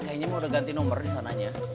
kayanya mau ganti nomor di sananya